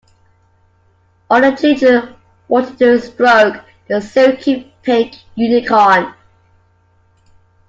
All the children wanted to stroke the silky pink unicorn